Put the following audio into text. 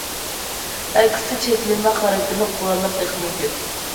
ئەكسىچە چەكلىمە خاراكتېرلىك قوراللار تېخىمۇ كۆپ.